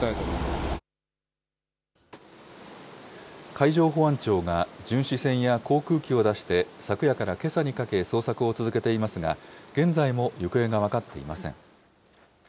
海上保安庁が巡視船や航空機を出して昨夜からけさにかけ、捜索を続けていますが、現在も行方が分かっていません。